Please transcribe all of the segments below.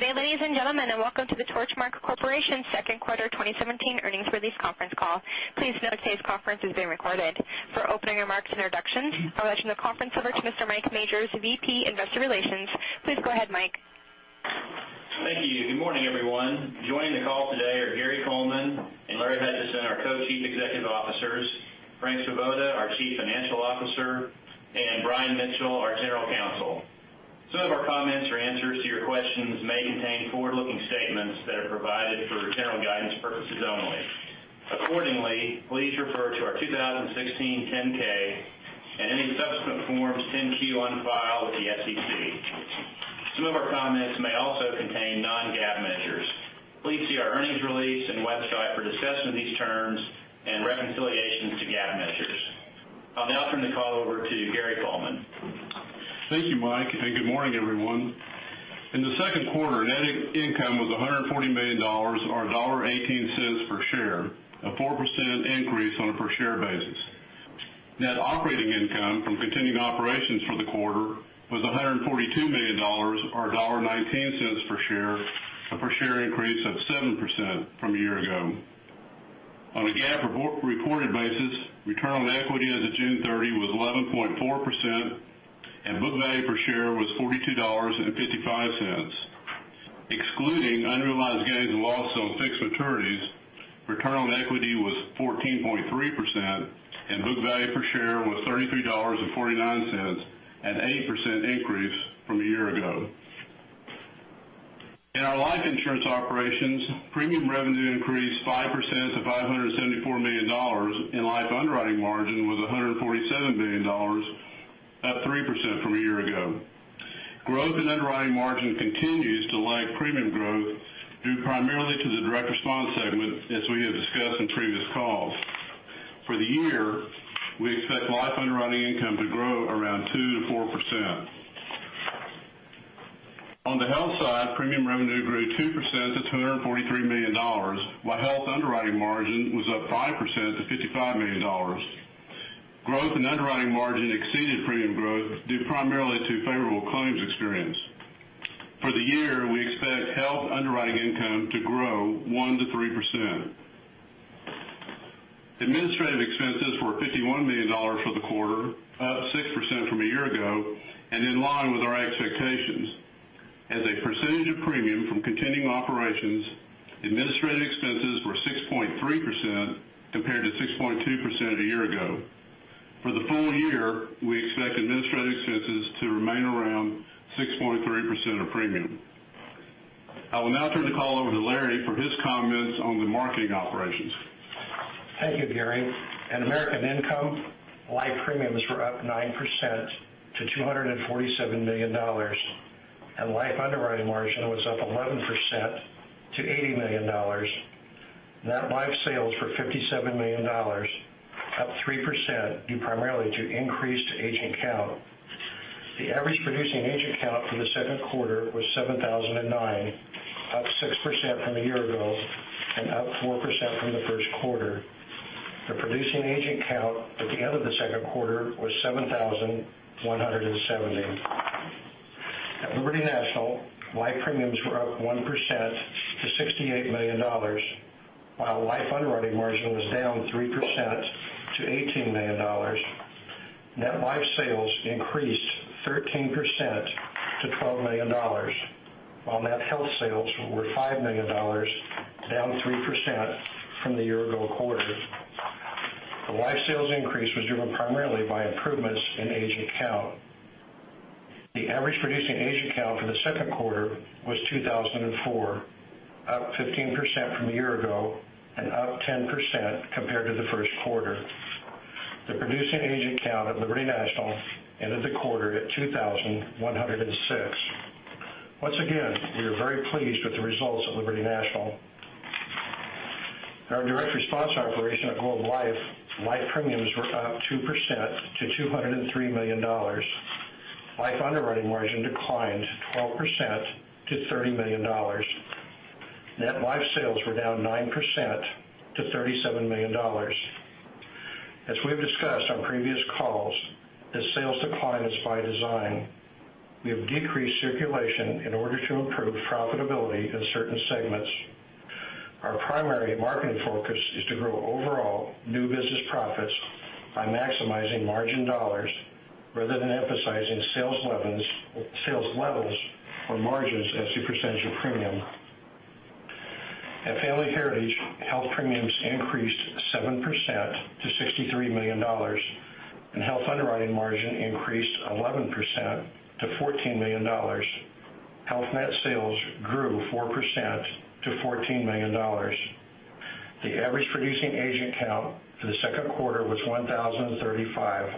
Good day, ladies and gentlemen, and welcome to the Torchmark Corporation second quarter 2017 earnings release conference call. Please note today's conference is being recorded. For opening remarks and introductions, I'll turn the conference over to Mr. Mike Majors, VP Investor Relations. Please go ahead, Mike. Thank you. Good morning, everyone. Joining the call today are Gary Coleman and Larry Hutchison, our Co-Chief Executive Officers, Frank Svoboda, our Chief Financial Officer, and Brian Mitchell, our General Counsel. Some of our comments or answers to your questions may contain forward-looking statements that are provided for general guidance purposes only. Accordingly, please refer to our 2016 10-K and any subsequent Forms 10-Q on file with the SEC. Some of our comments may also contain non-GAAP measures. Please see our earnings release and website for discussion of these terms and reconciliations to GAAP measures. I'll now turn the call over to Gary Coleman. Thank you, Mike, and good morning, everyone. In the second quarter, net income was $140 million or $1.18 per share, a 4% increase on a per share basis. Net operating income from continuing operations for the quarter was $142 million or $1.19 per share, a per share increase of 7% from a year ago. On a GAAP reported basis, return on equity as of June 30 was 11.4%, and book value per share was $42.55. Excluding unrealized gains and losses on fixed maturities, return on equity was 14.3%, and book value per share was $33.49, an 8% increase from a year ago. In our life insurance operations, premium revenue increased 5% to $574 million, and life underwriting margin was $147 million, up 3% from a year ago. Growth in underwriting margin continues to lag premium growth due primarily to the direct response segment, as we have discussed on previous calls. For the year, we expect life underwriting income to grow around 2%-4%. On the health side, premium revenue grew 2% to $243 million, while health underwriting margin was up 5% to $55 million. Growth in underwriting margin exceeded premium growth due primarily to favorable claims experience. For the year, we expect health underwriting income to grow 1%-3%. Administrative expenses were $51 million for the quarter, up 6% from a year ago and in line with our expectations. As a percentage of premium from continuing operations, administrative expenses were 6.3% compared to 6.2% a year ago. For the full year, we expect administrative expenses to remain around 6.3% of premium. I will now turn the call over to Larry for his comments on the marketing operations. Thank you, Gary. At American Income, life premiums were up 9% to $247 million, and life underwriting margin was up 11% to $80 million. Net life sales were $57 million, up 3% due primarily to increased agent count. The average producing agent count for the second quarter was 7,009, up 6% from a year ago and up 4% from the first quarter. The producing agent count at the end of the second quarter was 7,170. At Liberty National, life premiums were up 1% to $68 million, while life underwriting margin was down 3% to $18 million. Net life sales increased 13% to $12 million, while net health sales were $5 million, down 3% from the year-ago quarter. The life sales increase was driven primarily by improvements in agent count. The average producing agent count for the second quarter was 2,004, up 15% from a year ago and up 10% compared to the first quarter. The producing agent count at Liberty National ended the quarter at 2,106. Once again, we are very pleased with the results at Liberty National. In our direct response operation at Globe Life, life premiums were up 2% to $203 million. Life underwriting margin declined 12% to $30 million. Net life sales were down 9% to $37 million. As we have discussed on previous calls, this sales decline is by design. We have decreased circulation in order to improve profitability in certain segments. Our primary marketing focus is to grow overall new business profits by maximizing margin dollars rather than emphasizing sales levels or margins as a percentage of premium. At Family Heritage, health premiums increased 7% to $63 million, and health underwriting margin increased 11% to $14 million. Health net sales grew 4% to $14 million. The average producing agent count for the second quarter was 1,035,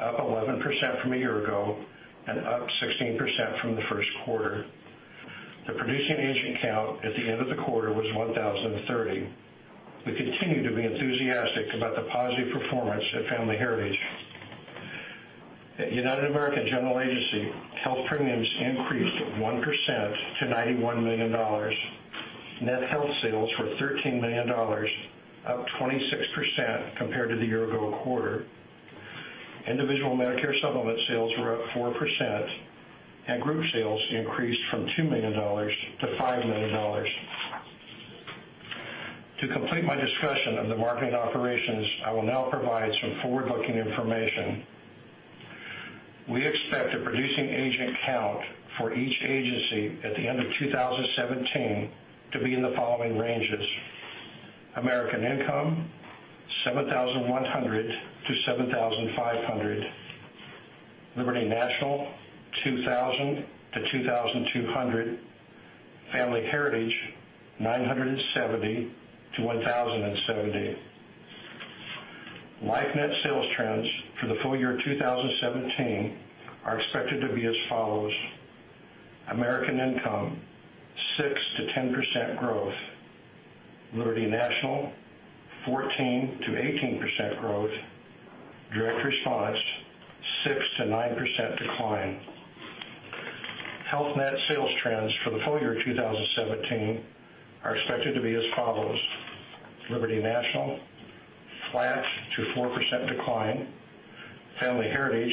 up 11% from a year ago and up 16% from the first quarter. The producing agent count at the end of the quarter was 1,030. We continue to be enthusiastic about the positive performance at Family Heritage. At United American General Agency, health premiums increased 1% to $91 million. Net health sales were $13 million, up 26% compared to the year-ago quarter. Individual Medicare Supplement sales were up 4%, and group sales increased from $2 million to $5 million. To complete my discussion of the marketing operations, I will now provide some forward-looking information. We expect the producing agent count for each agency at the end of 2017 to be in the following ranges: American Income, 7,100 to 7,500. Liberty National, 2,000 to 2,200. Family Heritage, 970 to 1,070. Life net sales trends for the full year 2017 are expected to be as follows: American Income, 6% to 10% growth. Liberty National, 14% to 18% growth. Direct response, 6% to 9% decline. Health net sales trends for the full year 2017 are expected to be as follows: Liberty National, flat to 4% decline. Family Heritage,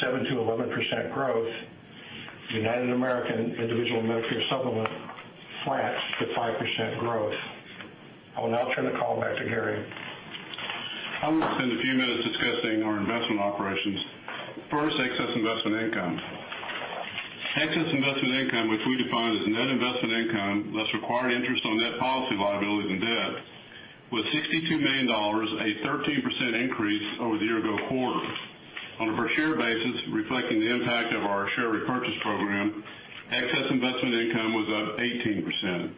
7% to 11% growth. United American individual Medicare Supplement, flat to 5% growth. I will now turn the call back to Gary. I'm going to spend a few minutes discussing our investment operations. First, excess investment income. Excess investment income, which we define as net investment income, less required interest on net policy liabilities and debt, was $62 million, a 13% increase over the year-ago quarter. On a per share basis, reflecting the impact of our share repurchase program, excess investment income was up 18%.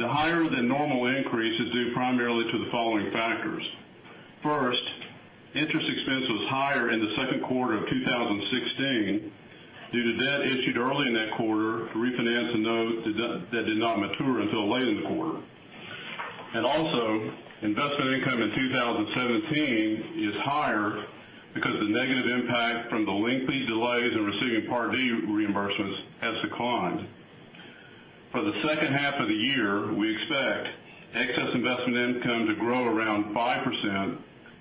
The higher-than-normal increase is due primarily to the following factors. First, interest expense was higher in the second quarter of 2016 due to debt issued early in that quarter to refinance a note that did not mature until late in the quarter. Also, investment income in 2017 is higher because the negative impact from the lengthy delays in receiving Part D reimbursements has declined. For the second half of the year, we expect excess investment income to grow around 5%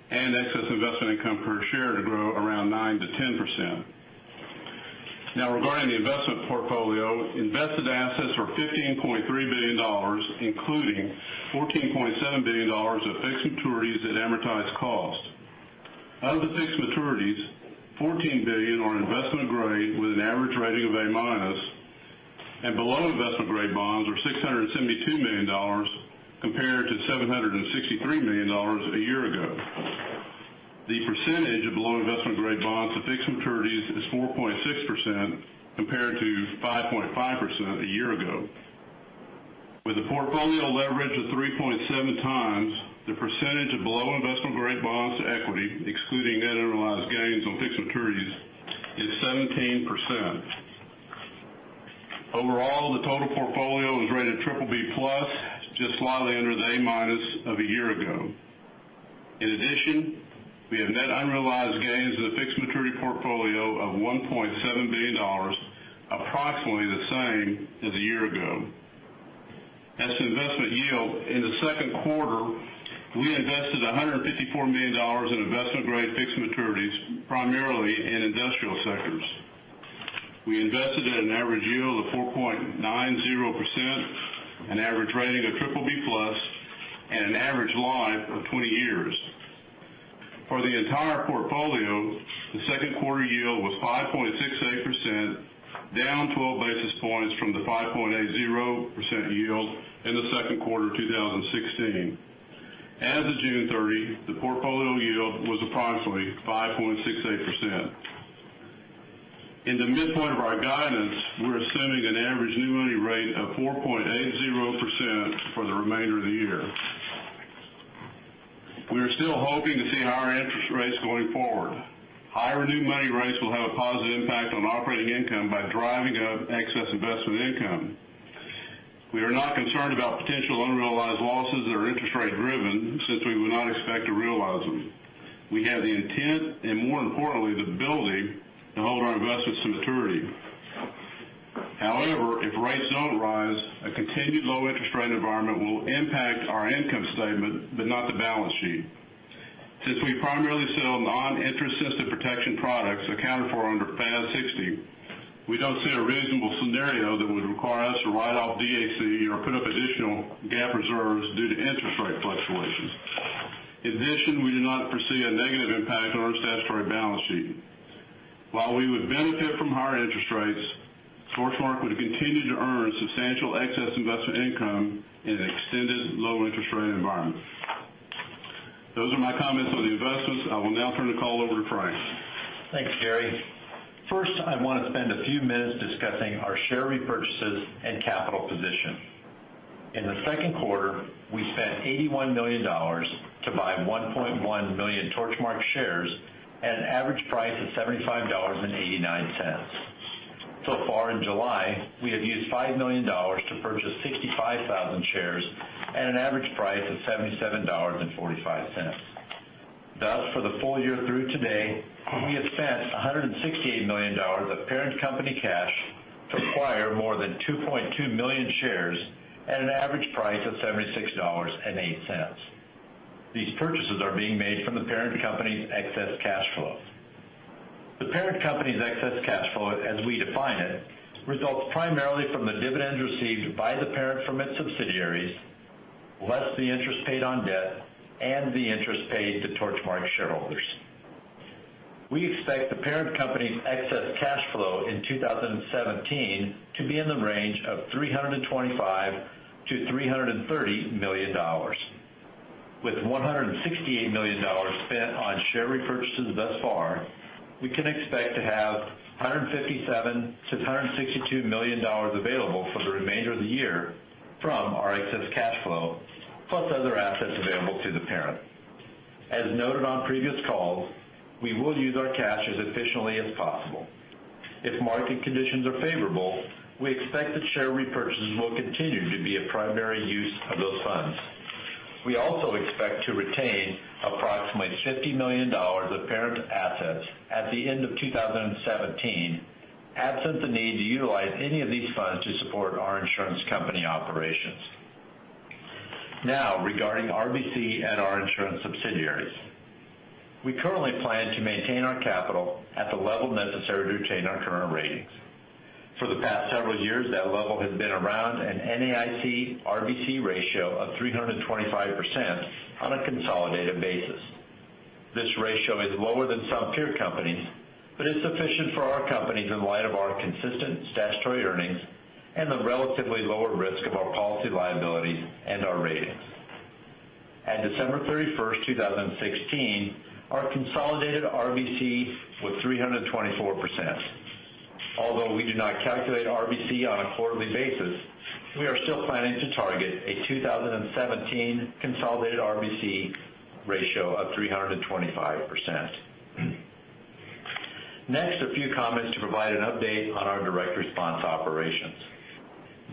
and excess investment income per share to grow around 9%-10%. Regarding the investment portfolio, invested assets were $15.3 billion, including $14.7 billion of fixed maturities at amortized cost. Of the fixed maturities, $14 billion are investment-grade with an average rating of A-. Below investment-grade bonds are $672 million compared to $763 million a year-ago. The percentage of below investment-grade bonds to fixed maturities is 4.6% compared to 5.5% a year-ago. With a portfolio leverage of 3.7 times, the percentage of below investment-grade bonds to equity, excluding net unrealized gains on fixed maturities, is 17%. Overall, the total portfolio was rated BBB+, just slightly under the A- of a year-ago. In addition, we have net unrealized gains in the fixed maturity portfolio of $1.7 billion, approximately the same as a year-ago. As to investment yield, in the second quarter, we invested $154 million in investment-grade fixed maturities, primarily in industrial sectors. We invested at an average yield of 4.90%, an average rating of BBB+, and an average life of 20 years. For the entire portfolio, the second quarter yield was 5.68%, down 12 basis points from the 5.80% yield in the second quarter of 2016. As of June 30, the portfolio yield was approximately 5.68%. In the midpoint of our guidance, we're assuming an average new money rate of 4.80% for the remainder of the year. We are still hoping to see higher interest rates going forward. Higher new money rates will have a positive impact on operating income by driving up excess investment income. We are not concerned about potential unrealized losses that are interest rate-driven, since we would not expect to realize them. We have the intent and, more importantly, the ability to hold our investments to maturity. However, if rates don't rise, a continued low interest rate environment will impact our income statement, but not the balance sheet. Since we primarily sell non-interest sensitive protection products accounted for under FAS 60, we don't see a reasonable scenario that would require us to write off DAC or put up additional GAAP reserves due to interest rate fluctuations. In addition, we do not foresee a negative impact on our statutory balance sheet. While we would benefit from higher interest rates, Torchmark would continue to earn substantial excess investment income in an extended low interest rate environment. Those are my comments on the investments. I will now turn the call over to Frank. Thanks, Gary. First, I want to spend a few minutes discussing our share repurchases and capital position. In the second quarter, we spent $81 million to buy 1.1 million Torchmark shares at an average price of $75.89. So far in July, we have used $5 million to purchase 65,000 shares at an average price of $77.45. Thus, for the full year through today, we have spent $168 million of parent company cash to acquire more than 2.2 million shares at an average price of $76.08. These purchases are being made from the parent company's excess cash flow. The parent company's excess cash flow, as we define it, results primarily from the dividends received by the parent from its subsidiaries, less the interest paid on debt and the interest paid to Torchmark shareholders. We expect the parent company's excess cash flow in 2017 to be in the range of $325 million-$330 million. With $168 million spent on share repurchases thus far, we can expect to have $157 million-$162 million available for the remainder of the year from our excess cash flow, plus other assets available to the parent. As noted on previous calls, we will use our cash as efficiently as possible. If market conditions are favorable, we expect that share repurchases will continue to be a primary use of those funds. We also expect to retain approximately $50 million of parent assets at the end of 2017, absent the need to utilize any of these funds to support our insurance company operations. Regarding RBC at our insurance subsidiaries, we currently plan to maintain our capital at the level necessary to retain our current ratings. For the past several years, that level has been around an NAIC RBC ratio of 325% on a consolidated basis. This ratio is lower than some peer companies, but is sufficient for our companies in light of our consistent statutory earnings and the relatively lower risk of our policy liabilities and our ratings. At December 31st, 2016, our consolidated RBC was 324%. Although we do not calculate RBC on a quarterly basis, we are still planning to target a 2017 consolidated RBC ratio of 325%. A few comments to provide an update on our direct response operations.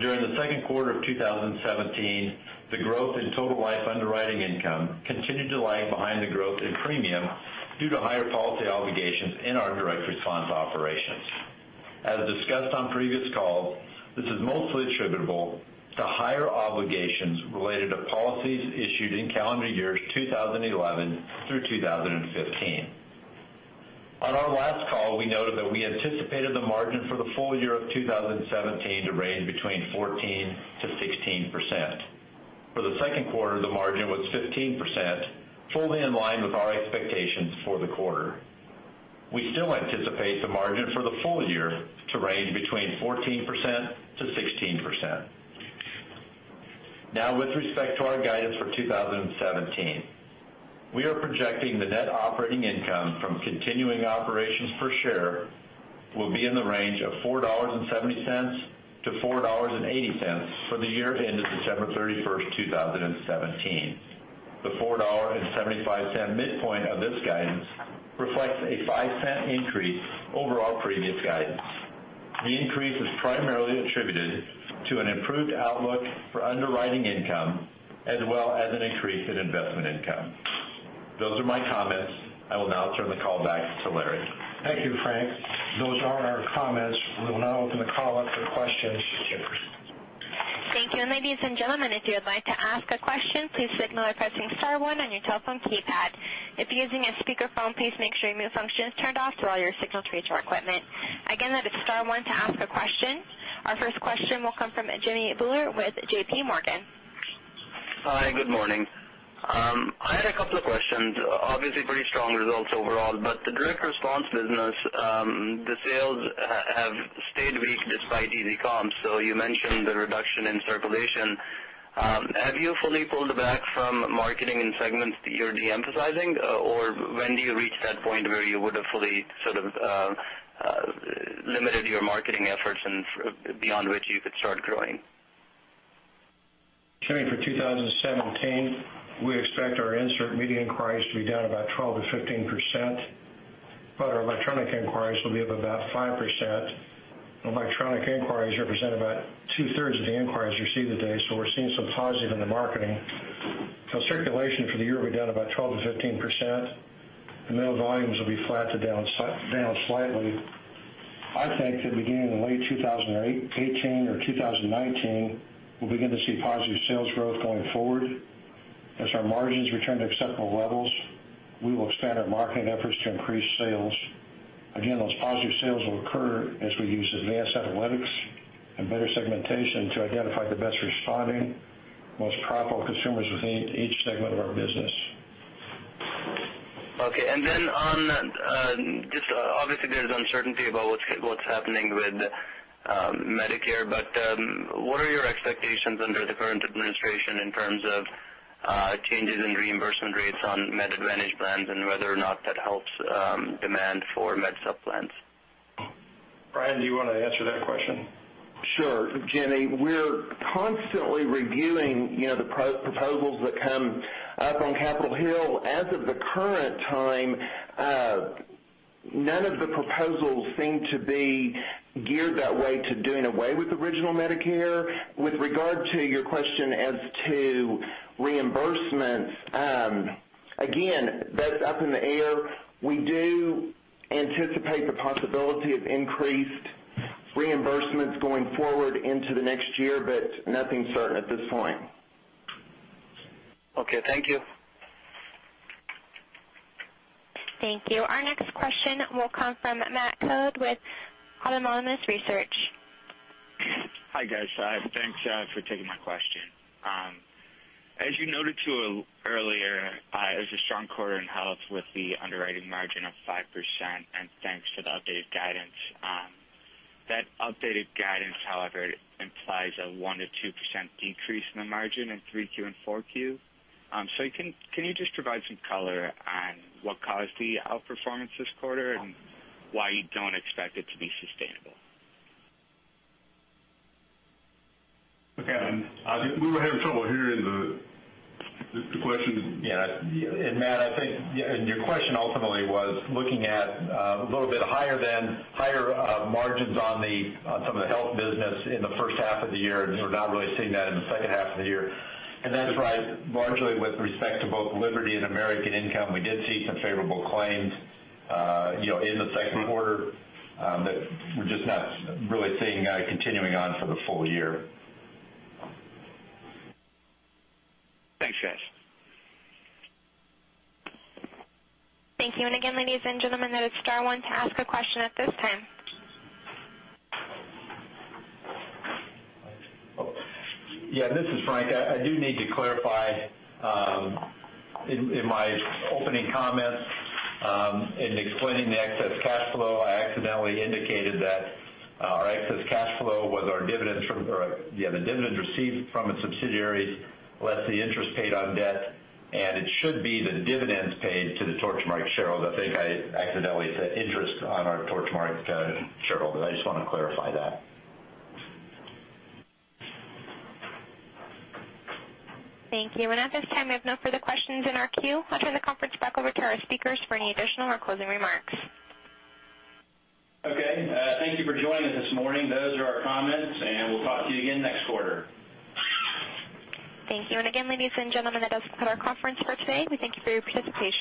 During the second quarter of 2017, the growth in total life underwriting income continued to lag behind the growth in premium due to higher policy obligations in our direct response operations. As discussed on previous calls, this is mostly attributable to higher obligations related to policies issued in calendar years 2011 through 2015. On our last call, we noted that we anticipated the margin for the full year of 2017 to range between 14%-16%. For the second quarter, the margin was 15%, fully in line with our expectations for the quarter. We still anticipate the margin for the full year to range between 14%-16%. With respect to our guidance for 2017, we are projecting the net operating income from continuing operations per share will be in the range of $4.70-$4.80 for the year ending December 31st, 2017. The $4.75 midpoint of this guidance reflects a $0.05 increase over our previous guidance. The increase is primarily attributed to an improved outlook for underwriting income, as well as an increase in investment income. Those are my comments. I will now turn the call back to Larry. Thank you, Frank. Those are our comments. We will now open the call up for questions. Thank you. Ladies and gentlemen, if you would like to ask a question, please signal by pressing *1 on your telephone keypad. If you're using a speakerphone, please make sure mute function is turned off to allow your signal to reach our equipment. Again, that is *1 to ask a question. Our first question will come from Jimmy Bhullar with JPMorgan. Hi, good morning. I had a couple of questions. Obviously pretty strong results overall, but the direct response business, the sales have stayed weak despite easy comps. You mentioned the reduction in circulation. Have you fully pulled back from marketing in segments that you're de-emphasizing? When do you reach that point where you would have fully sort of limited your marketing efforts and beyond which you could start growing? Jimmy, for 2017, we expect our insert media inquiries to be down about 12%-15%, but our electronic inquiries will be up about 5%. Electronic inquiries represent about two-thirds of the inquiries received today. We're seeing some positive in the marketing. Circulation for the year will be down about 12%-15%, and mail volumes will be flat to down slightly. I think that beginning in late 2018 or 2019, we'll begin to see positive sales growth going forward. As our margins return to acceptable levels, we will expand our marketing efforts to increase sales. Again, those positive sales will occur as we use advanced analytics and better segmentation to identify the best responding, most profitable consumers within each segment of our business. Okay. Then, obviously there's uncertainty about what's happening with Medicare, but what are your expectations under the current administration in terms of changes in reimbursement rates on Medicare Advantage plans and whether or not that helps demand for Med Sup plans? Brian, do you want to answer that question? Sure. Jimmy, we're constantly reviewing the proposals that come up on Capitol Hill. As of the current time, none of the proposals seem to be geared that way to doing away with original Medicare. With regard to your question as to reimbursements. Again, that's up in the air. We do anticipate the possibility of increased reimbursements going forward into the next year, but nothing certain at this point. Okay, thank you. Thank you. Our next question will come from Matt Darden with Autonomous Research. Hi, guys. Thanks for taking my question. As you noted to earlier, it was a strong quarter in health with the underwriting margin of 5%, and thanks for the updated guidance. That updated guidance, however, implies a 1%-2% decrease in the margin in Q3 and Q4. Can you just provide some color on what caused the outperformance this quarter and why you don't expect it to be sustainable? Okay. We were having trouble hearing the question. Yeah. Matt, I think your question ultimately was looking at a little bit higher margins on some of the health business in the first half of the year, we're not really seeing that in the second half of the year. That's right, largely with respect to both Liberty and American Income, we did see some favorable claims in the second quarter, we're just not really seeing that continuing on for the full year. Thanks, guys. Thank you. Again, ladies and gentlemen, that is star one to ask a question at this time. Yeah, this is Frank. I do need to clarify in my opening comments in explaining the excess cash flow, I accidentally indicated that our excess cash flow was the dividend received from a subsidiary less the interest paid on debt. It should be the dividends paid to the Torchmark shareholders. I think I accidentally said interest on our Torchmark shareholders. I just want to clarify that. Thank you. At this time, we have no further questions in our queue. I'll turn the conference back over to our speakers for any additional or closing remarks. Okay. Thank you for joining us this morning. Those are our comments. We'll talk to you again next quarter. Thank you. Again, ladies and gentlemen, that does conclude our conference for today. We thank you for your participation.